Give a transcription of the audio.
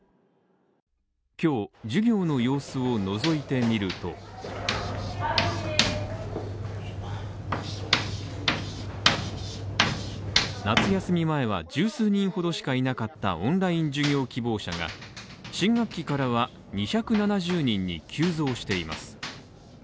今日、授業の様子をのぞいてみると夏休み前は十数人ほどしかいなかったオンライン授業希望者が新学期からは２７０人に急増しています